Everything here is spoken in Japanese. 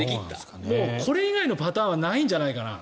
もうこれ以外のパターンはないんじゃないかな。